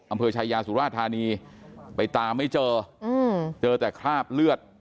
อำเภอชายาสุราธานีไปตามไม่เจอเจอแต่คราบเลือด